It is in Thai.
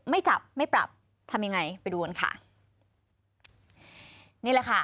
ไม่จับไม่ปรับทำยังไงไปดูกันค่ะนี่แหละค่ะ